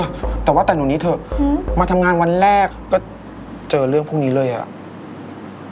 อ่ะแต่ว่าแต่งหนูนี้เถอะอืมมาทำงานวันแรกก็เจอเรื่องพวกนี้เลยอ่ะ